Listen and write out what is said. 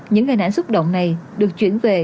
những gai nản xúc động này được chuyển về